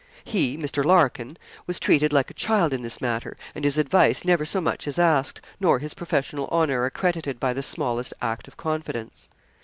He, Mr. Larkin, was treated like a child in this matter, and his advice never so much as asked, nor his professional honour accredited by the smallest act of confidence.